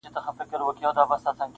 • زېږوې که د دې خلکو په څېر بل خر -